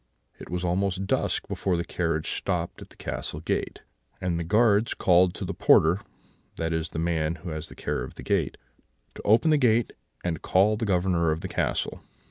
It was almost dusk before the carriage stopped at the castle gate; and the guards called to the porter (that is, the man who has the care of the gate) to open the gate, and call the Governor of the castle.